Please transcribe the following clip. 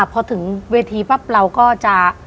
พอถึงเวทีปั๊บเราก็จะ